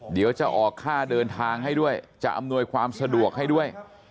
เดี๋ยวจะออกค่าเดินทางให้ด้วยจะอำนวยความสะดวกให้ด้วย